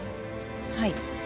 はい。